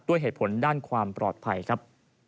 ด้วยเหตุผลด้านความปลอดภัยครับ